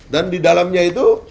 dan di dalamnya itu